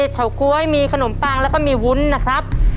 เฉาก๊วยมีขนมปังแล้วก็มีวุ้นนะครับ